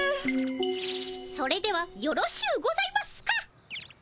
それではよろしゅうございますか？